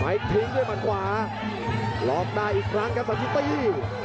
ไฟท์ทิ้งด้วยมันขวาลอบได้อีกครั้งกับสัตว์พิธี